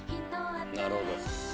なるほど！